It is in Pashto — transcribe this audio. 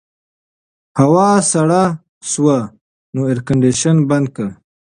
هوا سړه شوه نو اېرکنډیشن بند کړه.